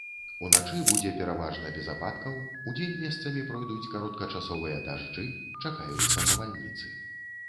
Уначы будзе пераважна без ападкаў, удзень месцамі пройдуць кароткачасовыя дажджы, чакаюцца навальніцы.